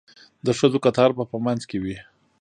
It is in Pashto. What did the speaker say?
د ښځو کتار به په منځ کې وي.